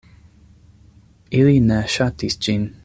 Ili ne ŝatis ĝin.